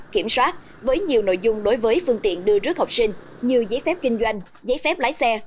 kiểm soát với nhiều nội dung đối với phương tiện đưa rước học sinh như giấy phép kinh doanh giấy phép lái xe